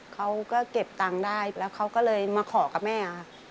เขาก็เก็บตังค์ได้แล้วเขาก็เลยมาขอกับแม่ค่ะ